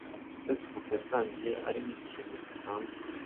Facebook yatangiye ari nk’ikintu gisanzwe